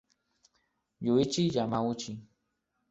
Yuichi Yamauchi